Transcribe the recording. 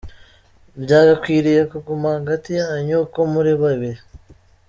Byagakwiriye kuguma hagati yanyu uko muri babiri.